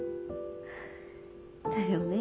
だよね。